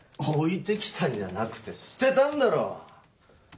置いてきたんじゃなくて捨てたんだろ？